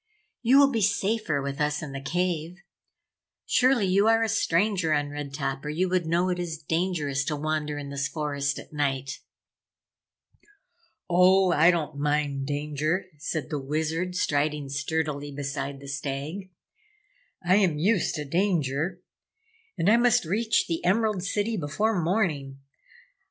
"You will be safer with us in the cave. Surely you are a stranger on Red Top or you would know it is dangerous to wander in this forest at night." "Oh, I don't mind danger," said the Wizard, striding sturdily beside the Stag. "I am used to danger and I must reach the Emerald City before morning!